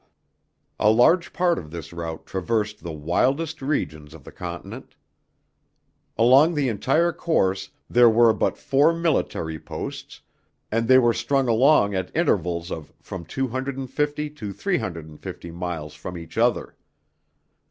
A large part of this route traversed the wildest regions of the Continent. Along the entire course there were but four military posts and they were strung along at intervals of from two hundred and fifty to three hundred and fifty miles from each other.